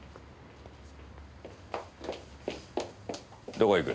どこ行く？